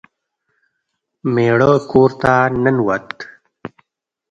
میړه کور ته ننوت.